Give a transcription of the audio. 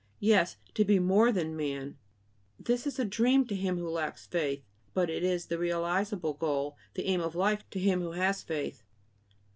Yes, to be more than man. This is a dream to him who lacks faith; but it is the realizable goal, the aim of life, to him who has faith.